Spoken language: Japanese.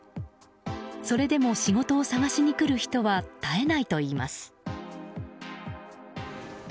それでも仕事を探しに来る人は絶えないといいます。